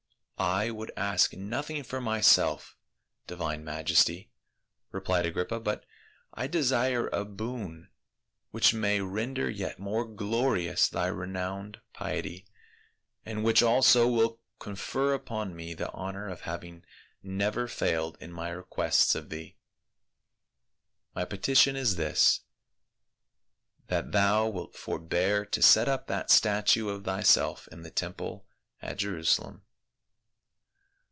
" I would ask nothing for myself, divine majesty," replied Agrippa, " but I desire a boon which may ren der yet more glorious thy renowned piety, and which THE MEDIATOR. 189 also will confer upon me the honor of having never failed in my requests of thee. My petition is this, that thou wilt forbear to set up that statue of thyself in the temple at Jerusalem."